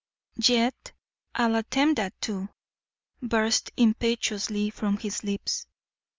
"Yet I'll attempt that too," burst impetuously from his lips.